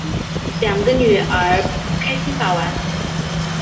两个女儿开心把玩